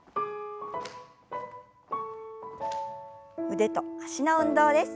腕と脚の運動です。